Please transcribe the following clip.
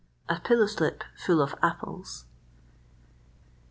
*A PILLOW SLIP FULL OF APPLES.